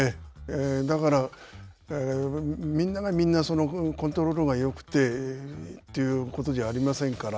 だから、みんながみんなコントロールがよくてということじゃありませんから。